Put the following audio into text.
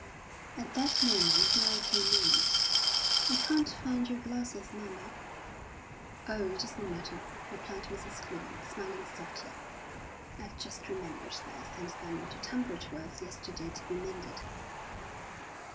At that moment Mary came in. "I can't find your glasses, mamma." "Oh, it doesn't matter," replied Mrs. Clibborn, smiling softly; "I've just remembered that I sent them into Tunbridge Wells yesterday to be mended."